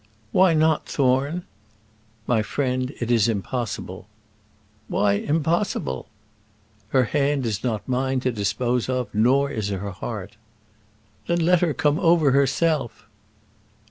"Why not, Thorne?" "My friend, it is impossible." "Why impossible?" "Her hand is not mine to dispose of, nor is her heart." "Then let her come over herself."